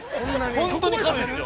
◆本当に軽いですよ。